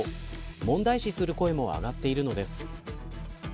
問題視する声も上がっているのです。